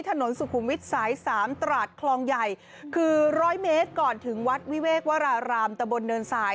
ถนนสุขุมวิทย์สายสามตราดคลองใหญ่คือร้อยเมตรก่อนถึงวัดวิเวกวรารามตะบนเนินทราย